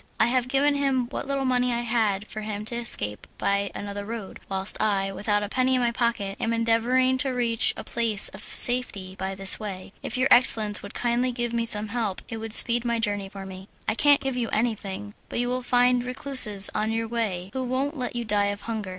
"I have given him what little money I had for him to escape by another road, whilst I, without a penny in my pocket, am endeavouring to reach a place of safety by this way. If your excellence would kindly give me some help, it would speed my journey for me." "I can't give you anything, but you will find recluses on your way who won't let you die of hunger.